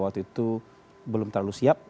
waktu itu belum terlalu siap